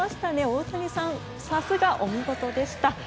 大谷さん、お見事でした。